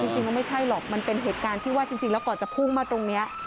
จริงมันไม่ใช่หรอกมันเป็นเหตุการณ์ที่ว่าจริงแล้วก่อนจะพุ่งมาตรงนี้